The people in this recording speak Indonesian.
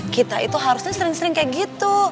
kita itu harusnya sering sering kayak gitu